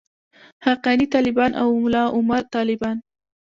حقاني طالبان او ملاعمر طالبان.